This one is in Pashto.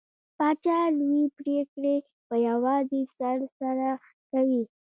پاچا لوې پرېکړې په يوازې سر سره کوي .